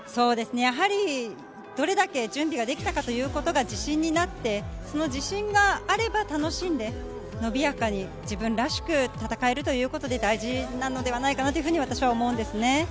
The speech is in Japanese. どれだけ準備ができたかということが自信になって、その自信があれば楽しんでのびやかに自分らしく戦えるということで、それが大事なのではないかと私は思います。